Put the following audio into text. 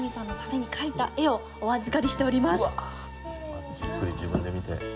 まずじっくり自分で見て。